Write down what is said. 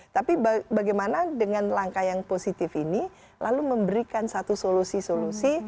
tapi bagaimana dengan langkah yang positif ini lalu memberikan satu solusi solusi